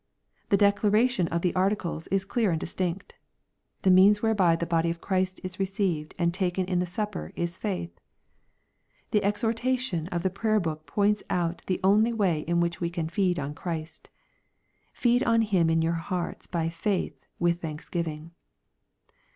— The declara tion of the Articles is clear and distinct :" The means* whereby the body of Christ is received and taken in the supper is faith/' — The exhortation of the Prayer Book points out the only way in which we can feed on Christ :" Feed on Him in your hearts by faith with thanksgiv ing."